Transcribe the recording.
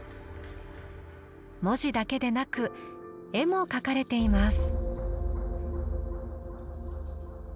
文字だけでなく絵も描かれています。